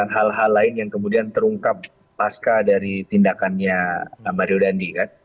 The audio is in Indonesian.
hal hal lain yang kemudian terungkap pasca dari tindakannya mario dandi kan